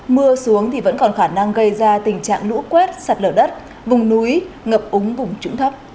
mưa xuống thì vẫn còn khả năng gây ra tình trạng lũ quét sạt lở đất vùng núi ngập úng vùng trũng thấp